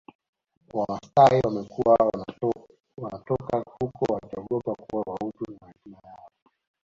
Wamasai wamekuwa wanatoka huko wakiogopa kuporwa utu na hekima yao